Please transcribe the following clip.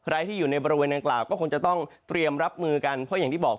ที่อยู่ในบริเวณนางกล่าวก็คงจะต้องเตรียมรับมือกันเพราะอย่างที่บอก